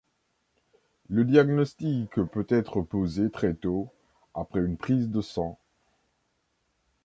Le diagnostic peut être posé très tôt, après une prise de sang.